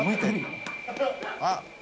あっ。